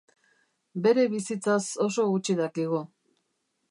Bere bizitzaz oso gutxi dakigu.